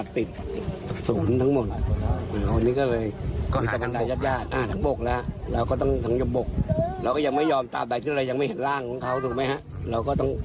สูงทั้งหมดแต่อาจจะตามไปฝั่งทั้งปกแล้ว